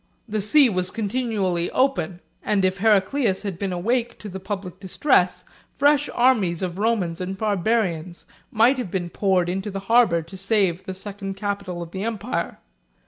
The sea was continually open; and if Heraclius had been awake to the public distress, fresh armies of Romans and Barbarians might have been poured into the harbor to save the second capital of the empire.